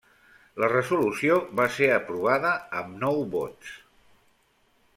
La resolució va ser aprovada amb nou vots.